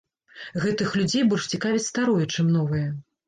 Гэтых людзей больш цікавіць старое, чым новае.